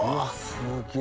すげえ。